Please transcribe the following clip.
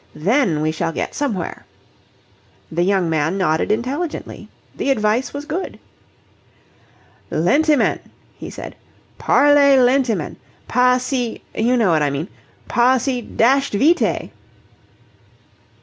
Then we shall get somewhere." The young man nodded intelligently. The advice was good. "Lentement," he said. "Parlez lentement. Pas si you know what I mean pas si dashed vite!"